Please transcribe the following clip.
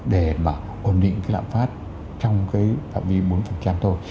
để mà ổn định cái lạm phát trong cái phạm vi bốn thôi